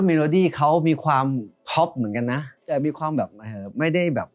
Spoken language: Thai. โลดี้เขามีความท็อปเหมือนกันนะแต่มีความแบบเอ่อไม่ได้แบบ